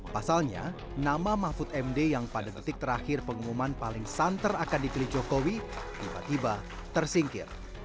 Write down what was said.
pasalnya nama mahfud md yang pada detik terakhir pengumuman paling santer akan dipilih jokowi tiba tiba tersingkir